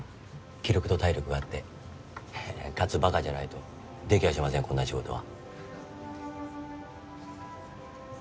気力と体力があってははっかつばかじゃないとできやしませんこんな仕事は。